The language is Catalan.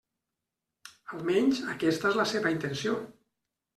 Almenys aquesta és la seva intenció.